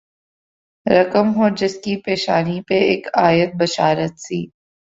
رقم ہو جس کی پیشانی پہ اک آیت بشارت سی